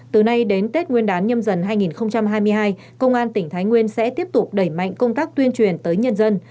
từ nay đến tết nguyên đán nhâm dần hai nghìn hai mươi hai công an tỉnh thái nguyên sẽ tiếp tục đẩy mạnh công tác tuyên truyền tới nhân dân